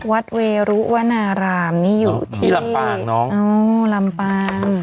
เวรุวนารามนี่อยู่ที่ลำปางน้องอ๋อลำปาง